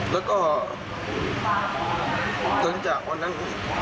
แล้วก็หลังจากวันนั้น